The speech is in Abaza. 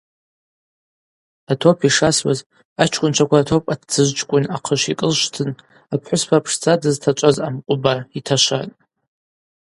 Атоп йшасуаз ачкӏвынчваква ртоп атдзыжвчкӏвын ахъышв йкӏылшвтын апхӏвыспа пшдза дызтачӏваз амкъвыба йташватӏ.